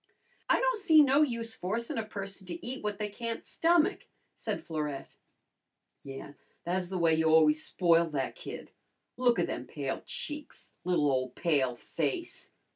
"I don' see no use forcin' a person to eat what they can't stomach," said Florette. "Yeah, tha's the way you've always spoiled that kid. Look a' them pale cheeks! Li'l ole pale face!"